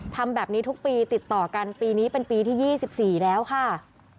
ทำแบบนี้ทุกปีติดต่อกันปีนี้เป็นปีที่๒๔แล้วค่ะ